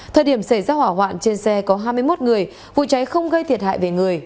thời điểm xảy ra hỏa hoạn trên xe có hai mươi một người vụ cháy không gây thiệt hại về người